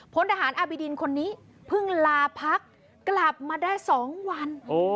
พลทหารอบิดินคนนี้เพิ่งลาพักกลับมาได้๒วัน